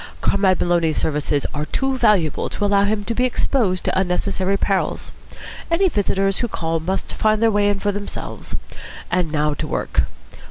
Comrade Maloney's services are too valuable to allow him to be exposed to unnecessary perils. Any visitors who call must find their way in for themselves. And now to work.